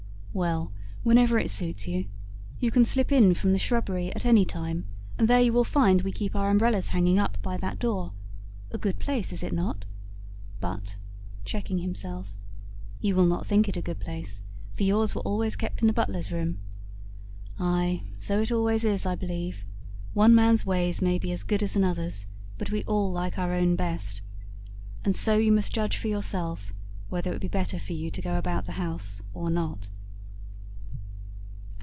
"Well, whenever it suits you. You can slip in from the shrubbery at any time; and there you will find we keep our umbrellas hanging up by that door. A good place is not it? But," (checking himself), "you will not think it a good place, for yours were always kept in the butler's room. Ay, so it always is, I believe. One man's ways may be as good as another's, but we all like our own best. And so you must judge for yourself, whether it would be better for you to go about the house or not."